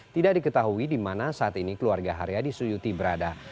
tidak diketahui di mana saat ini keluarga haryadi suyuti berada